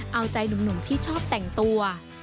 เอาใจหนุ่มที่ชอบแต่งตัว